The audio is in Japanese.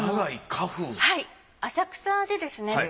はい浅草でですね